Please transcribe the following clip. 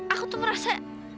aku tuh merasa